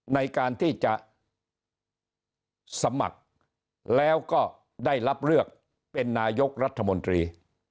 ในการที่จะสมัครแล้วก็ได้รับเลือกเป็นนายกรัฐมนตรี